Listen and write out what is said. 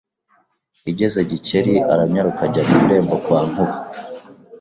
igeze Gikeli aranyaruka ajya mu irembo kwa Nkuba